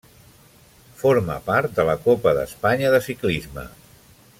Forma part de la Copa d'Espanya de ciclisme.